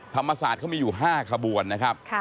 ธรรมศาสตร์เขามีอยู่๕ขบวนนะครับ